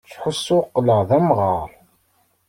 Ttḥussuɣ qqleɣ d amɣaṛ.